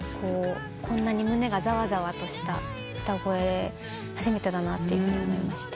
こんなに胸がざわざわとした歌声初めてだなと思いまして。